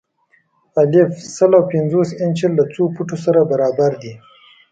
الف: سل او پنځوس انچه له څو فوټو سره برابر دي؟